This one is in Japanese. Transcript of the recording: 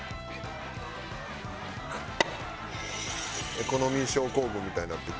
エコノミー症候群みたいになってる。